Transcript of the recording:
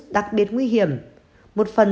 đặc biệt nguy hiểm một phần